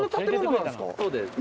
そうです。